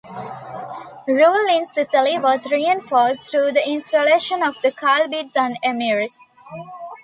Rule in Sicily was reinforced through the installation of the Kalbids as Emirs.